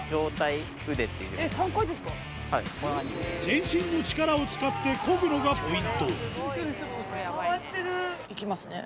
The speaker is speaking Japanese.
全身の力を使ってこぐのがポイントいきますね。